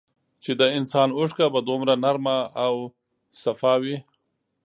چي د انسان اوښکه به دومره نرمه او سپا وې